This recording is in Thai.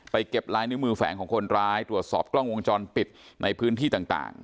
เก็บลายนิ้วมือแฝงของคนร้ายตรวจสอบกล้องวงจรปิดในพื้นที่ต่าง